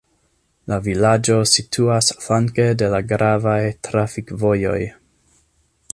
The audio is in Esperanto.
La vilaĝo situas flanke de la gravaj trafikvojoj.